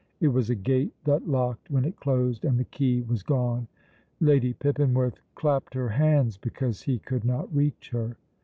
It was a gate that locked when it closed, and the key was gone. Lady Pippinworth clapped her hands because he could not reach her.